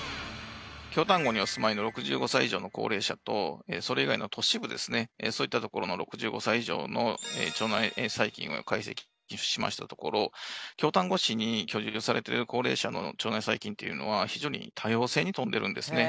京丹後にお住まいの６５歳以上の高齢者とそれ以外の都市部ですねそういったところの６５歳以上の腸内細菌を解析しましたところ京丹後市に居住されている高齢者の腸内細菌っていうのは非常に多様性に富んでるんですね